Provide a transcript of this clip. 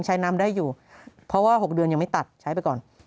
ใช้น้ำได้อยู่เพราะว่า๖เดือนยังไม่ตัดใช้ไปก่อน